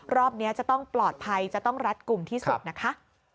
รอบนี้จะต้องปลอดภัยจะต้องรัดกลุ่มที่สุดนะคะ